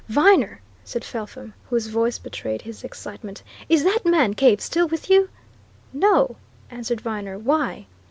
"Viner!" said Felpham, whose voice betrayed his excitement. "Is that man Cave still with you?" "No!" answered Viner. "Why?"